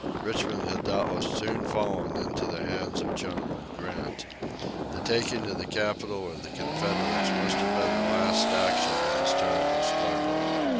Richmond had doubtless soon fallen into the hands of General Grant. The taking of the capital of the Confederates must have been the last action of this terrible struggle.